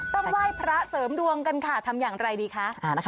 ไหว้พระเสริมดวงกันค่ะทำอย่างไรดีคะ